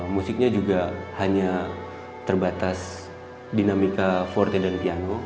musiknya juga hanya terbatas dinamika forte dan piano